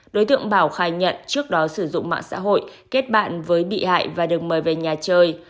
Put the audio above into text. đối tượng bảo khai nhận trước đó sử dụng mạng xã hội kết bạn với bị hại và được mời về nhà chơi